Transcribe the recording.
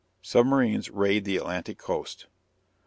SUBMARINES RAID THE ATLANTIC COAST.